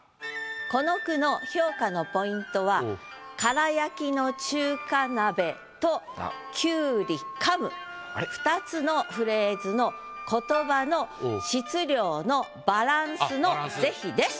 この句の評価のポイントは「空焼きの中華鍋」と「胡瓜噛む」２つのフレーズの言葉の質量のバランスの是非です。